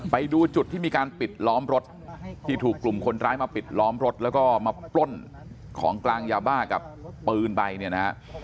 ไปดูจุดที่มีการปิดล้อมรถที่ถูกกลุ่มคนร้ายมาปิดล้อมรถแล้วก็มาปล้นของกลางยาบ้ากับปืนไปเนี่ยนะฮะ